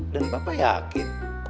dan papa yakin